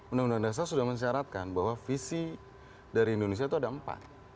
undang undang dasar sudah mensyaratkan bahwa visi dari indonesia itu ada empat